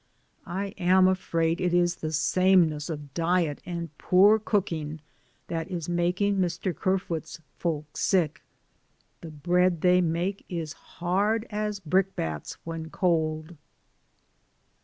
I am afraid it is the sameness of diet and poor cooking that is making Mr. Kerfoot's folk sick. The bread they make is hard as brick bats when cold.